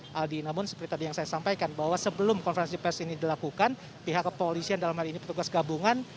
jadi namun seperti tadi yang saya sampaikan bahwa sebelum konferensi pers ini dilakukan pihak kepolisian dalam hari ini petugas gabungan